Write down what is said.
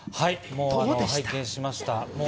拝見しました。